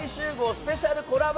スペシャルコラボ